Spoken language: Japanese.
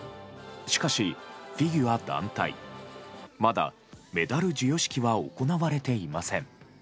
しかし、フィギュア団体まだメダル授与式は行われていません。